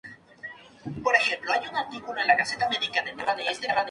El lugar alberga tres playas: playa Santa Catalina, playa Punta Yeguas y playa Zabala.